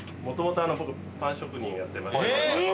もともと僕パン職人をやってまして。